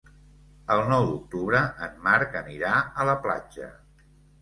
El nou d'octubre en Marc anirà a la platja.